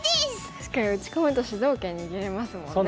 確かに打ち込むと主導権握れますもんね。そうなんですよね。